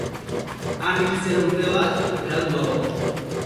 Han hil zen urte bat beranduago.